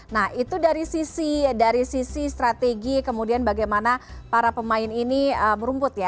nah itu dari sisi strategi kemudian bagaimana para pemain ini merumput ya